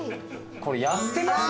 これやってますね。